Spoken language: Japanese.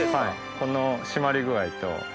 この締まり具合と。